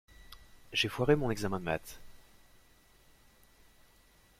J'ai foiré mon examen de maths.